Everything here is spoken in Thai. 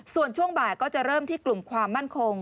ส่วนช่วงบ่ายก็จะเริ่มที่กลุ่มความมั่นคง